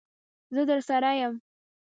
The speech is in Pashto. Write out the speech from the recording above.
زه درسره یم.